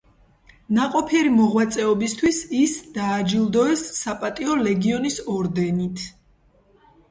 ნაყოფიერი მოღვაწეობისთვის ის დააჯილდოეს საპატიო ლეგიონის ორდენით.